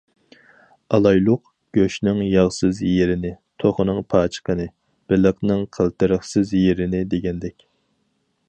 ئالايلۇق: گۆشنىڭ ياغسىز يېرىنى، توخۇنىڭ پاچىقىنى، بېلىقنىڭ قىلتىرىقسىز يېرىنى دېگەندەك.